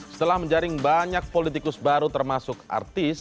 setelah menjaring banyak politikus baru termasuk artis